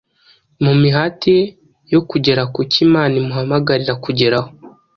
Mu mihati ye yo kugera ku cyo Imana imuhamagarira kugeraho,